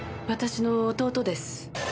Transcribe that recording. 私の弟です。